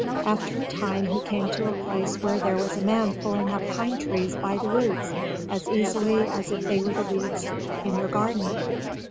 After a time he came to a place where there was a man pulling up pine trees by the roots as easily as if they were the weeds in your garden.